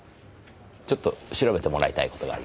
ちょっと調べてもらいたい事があります。